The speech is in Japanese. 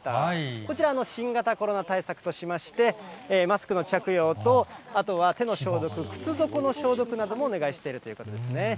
こちら、新型コロナ対策としまして、マスクの着用と、あとは手の消毒、靴底の消毒などもお願いしているということですね。